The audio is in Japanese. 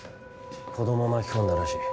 子ども巻き込んだらしい。